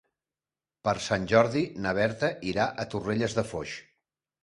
Per Sant Jordi na Berta irà a Torrelles de Foix.